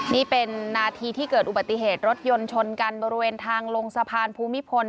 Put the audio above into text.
นี่เป็นนาทีที่เกิดอุบัติเหตุรถยนต์ชนกันบริเวณทางลงสะพานภูมิพล